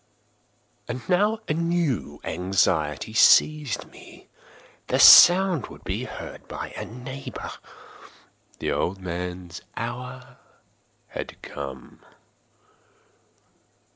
And now a new anxiety seized me—the sound would be heard by a neighbour! The old man's hour had come!